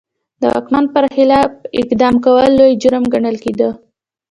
د واکمن پر خلاف اقدام کول لوی جرم ګڼل کېده.